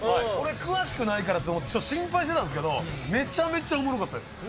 詳しくないからと思って心配してたんですけど、めちゃくちゃおもろかったです。